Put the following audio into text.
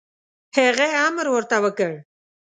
هغه امر ورته وکړ.